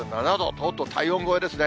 とうとう体温超えですね。